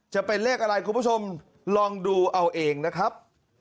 จะเป็นเลขอะไรคุณผู้ชมลองดูเอาเองนะครับ